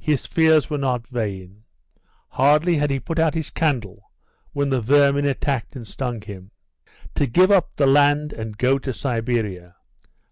His fears were not vain. Hardly had he put out his candle when the vermin attacked and stung him. "To give up the land and go to Siberia.